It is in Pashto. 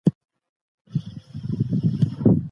ادب سته.